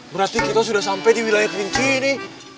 berarti kita sudah sampai di wilayah rinci ini